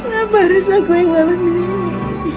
kenapa harus aku yang ngalamin ini